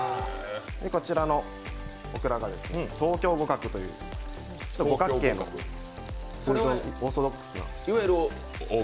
こちらのオクラが、東京五角という五角形の通常のオーソドックスな。